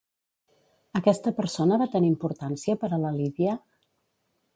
Aquesta persona va tenir importància per a la Lidia?